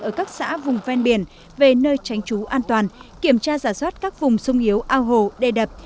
ở các xã vùng ven biển về nơi tránh trú an toàn kiểm tra giả soát các vùng sung yếu ao hồ đê đập